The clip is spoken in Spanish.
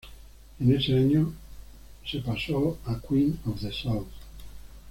En ese año se pasó a Queen of the South.